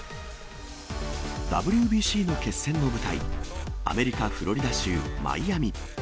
ＷＢＣの決戦の舞台、アメリカ・フロリダ州マイアミ。